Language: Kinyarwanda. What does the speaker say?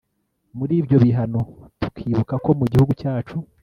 muri ibyo bihano tukibuka ko mu gihugu cyacu